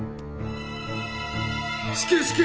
至急至急！